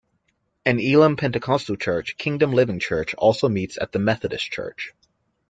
An Elim Pentecostal Church, Kingdom Living Church, also meets at the Methodist church.